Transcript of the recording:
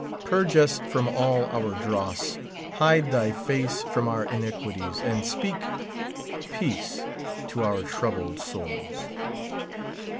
Purge us from all our dross ; hide thy face from our iniquities, and speak peace to our troubled souls.